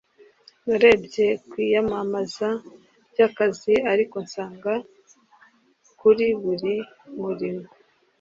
narebye ku iyamamaza ry'akazi, ariko nsanga kuri buri murimo